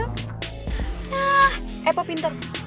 nah apa pinter